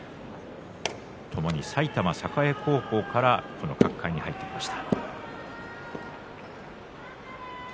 ともに埼玉栄高校から角界に入ってきました。